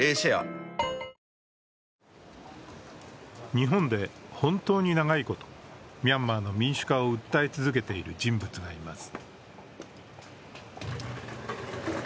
日本で本当に長いことミャンマーの民主化を訴え続けている人物がいます。